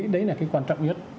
đấy là cái quan trọng nhất